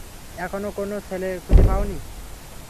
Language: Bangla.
এখনও কোনো ছেলে খুঁজে পাওনি?